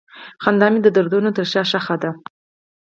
خندا مې د دردونو تر شا ښخ ده.